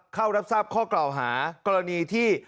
เข้ารับทราบข้อกล่าวหากรณีที่